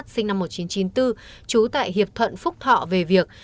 sinh năm một nghìn chín trăm chín mươi bốn trú tại hiệp thuận phúc thọ về việc